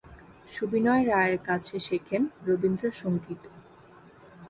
সুবিনয় রায়ের কাছে শেখেন রবীন্দ্র সঙ্গীত।